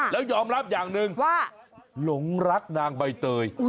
แล้วยอมรับอย่างหนึ่งว่าหลงรักนางใบเตย